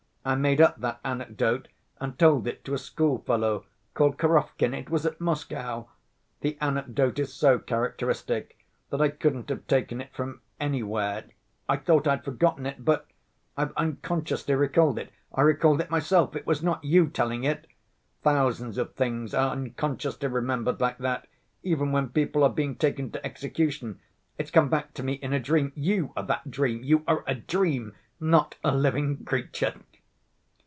I made up that anecdote and told it to a schoolfellow called Korovkin, it was at Moscow.... The anecdote is so characteristic that I couldn't have taken it from anywhere. I thought I'd forgotten it ... but I've unconsciously recalled it—I recalled it myself—it was not you telling it! Thousands of things are unconsciously remembered like that even when people are being taken to execution ... it's come back to me in a dream. You are that dream! You are a dream, not a living creature!"